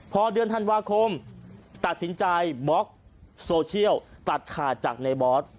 พอเดือนธันวาคมตัดสินใจบล็อกโซเชียลตัดขาดจากในบอส